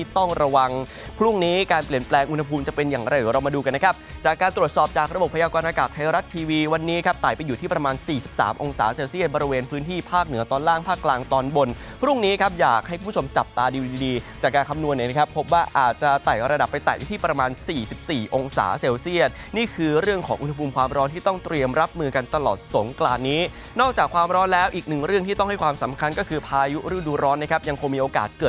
ต้องระวังพรุ่งนี้การเปลี่ยนแปลงอุณหภูมิจะเป็นอย่างไรเรามาดูกันนะครับจากการตรวจสอบจากระบบพยาบาลอากาศไทยรัตน์ทีวีวันนี้ครับต่ายไปอยู่ที่ประมาณ๔๓องศาเซลเซียตบริเวณพื้นที่ภาคเหนือตอนล่างภาคกลางตอนบนพรุ่งนี้ครับอยากให้ผู้ชมจับตาดีดีจากการคำนวณเนี้ยครับพบว่าอาจจะไต่ระดับไป